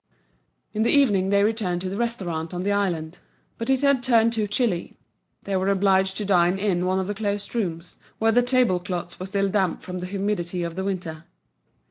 In the evening they returned to the restaurant on the island. But it had turned too chilly, they were obliged to dine in one of the closed rooms, where the table cloths were still damp from the humidity of the winter.